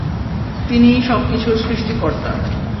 তিনিই সব কিছুর সৃষ্টিকর্তা।